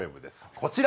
こちら。